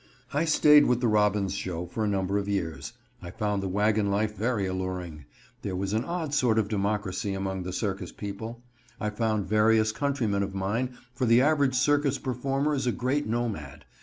I stayed with the Robbins show for a number of years. I found the wagon life very alluring. There was an odd sort of democracy among the circus people. I found various countrymen of mine, for the average circus performer is a great nomad.